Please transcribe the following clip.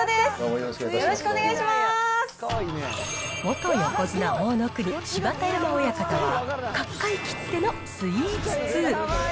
元横綱・大乃国、芝田山親方は、角界きってのスイーツ通。